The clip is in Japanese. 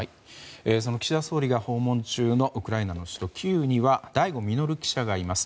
その岸田総理が訪問中のウクライナの首都キーウには醍醐穣記者がいます。